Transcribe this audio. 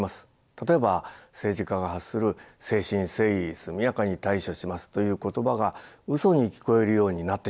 例えば政治家が発する「誠心誠意速やかに対処します」という言葉がうそに聞こえるようになってしまいました。